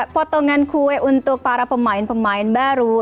potongan kue untuk para pemain pemain baru